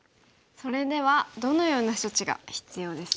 それではどのような処置が必要ですか？